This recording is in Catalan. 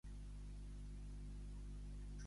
Marta Subirà i Roca és una política nascuda a Barcelona.